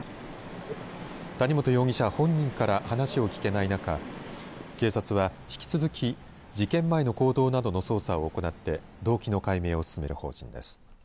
谷本容疑者本人から話を聞けない中警察は引き続き事件前の行動などの捜査を行って動機の解明を進める方針です。